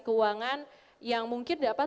keuangan yang mungkin dapat